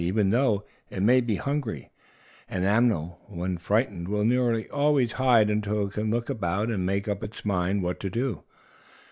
Even though it may be hungry, an animal, when frightened, will nearly always hide until it can look about and make up its mind what to do.